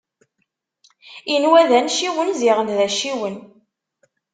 Inwa d anciwen, ziɣen d acciwen.